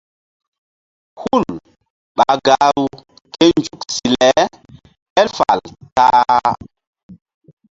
Hul ɓa gahru ké nzuk si le él fal ta-a.